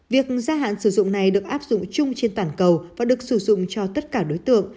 việc gia hạn sử dụng này được áp dụng chung trên toàn cầu và được sử dụng cho tất cả đối tượng